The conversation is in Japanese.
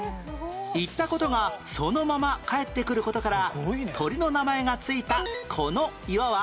言った事がそのまま返ってくる事から鳥の名前が付いたこの岩は？